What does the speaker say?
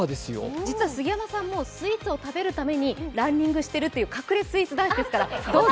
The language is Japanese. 実は杉山さんもスイーツを食べるためにランニングしてるという隠れスイーツ男子ですからどうぞ。